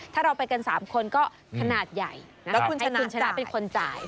ถ้าเราไปกันสามคนก็ขนาดใหญ่นะคุณชนะให้คุณชนะเป็นคนจ่าย